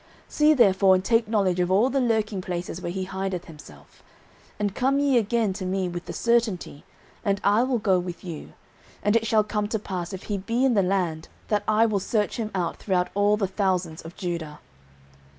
09:023:023 See therefore, and take knowledge of all the lurking places where he hideth himself, and come ye again to me with the certainty, and I will go with you: and it shall come to pass, if he be in the land, that I will search him out throughout all the thousands of Judah.